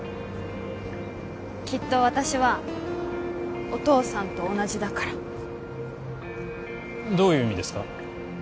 きっと私はお父さんと同じだからどういう意味ですか？